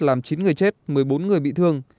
làm chín người chết một mươi bốn người bị thương